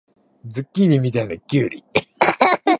ズッキーニみたいなきゅうり